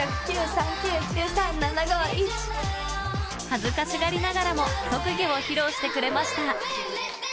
恥ずかしがりながらも特技を披露してくれました。